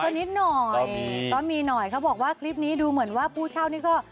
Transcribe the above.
ก็นิดหน่อยก็มีหน่อยเขาบอกว่าคลิปนี้ดูเหมือนว่าผู้เช่านี่ก็